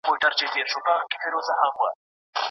تر خيالي خبرو زيات عملي کار وکړئ.